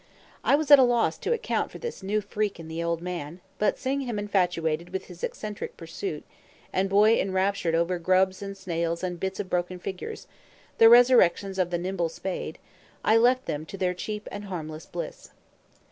I was at a loss to account for this new freak in the old man; but seeing him infatuated with his eccentric pursuit, and Boy enraptured over grubs and snails and bits of broken figures, the resurrections of the nimble spade, I left them to their cheap and harmless bliss.